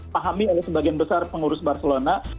pahami oleh sebagian besar pengurus barcelona